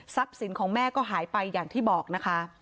สินของแม่ก็หายไปอย่างที่บอกนะคะ